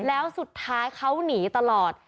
แล้วสุดท้ายเขาหนีตลอด